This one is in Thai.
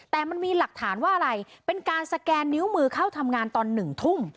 แต่มันมีหลักฐานว่าอะไรเป็นการสแกนนิ้วมือเข้าทำงานตอน๑ทุ่ม